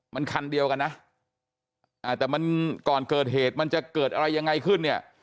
มันคันเดียวกันนะแต่มันก่อนเกิดเหตุมันจะเกิดอะไรยังไงขึ้นเนี่ย